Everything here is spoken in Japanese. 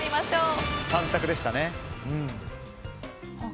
３択でした。